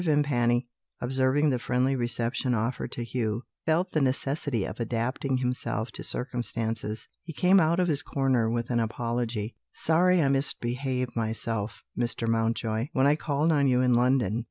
Vimpany, observing the friendly reception offered to Hugh, felt the necessity of adapting himself to circumstances. He came out of his corner with an apology: "Sorry I misbehaved myself, Mr. Mountjoy, when I called on you in London.